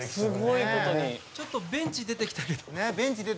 ちょっとベンチ出てきたけど。